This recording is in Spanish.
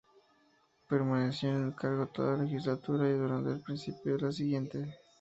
Permaneció en el cargo toda la legislatura y durante el principio de la siguiente.